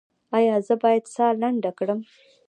ایا زه باید ساه لنډه کړم؟